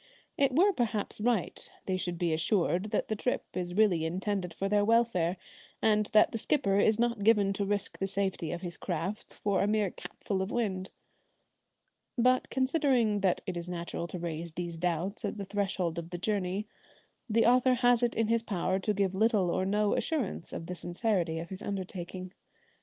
It were perhaps right they should be assured that the trip is really intended for their welfare, and that the skipper is not given to risk the safety of his craft for a mere capful of wind. But conceding that it is natural to raise these doubts at the threshold of the journey, the author has it in his power to give little or no assurance of the sincerity of his undertaking.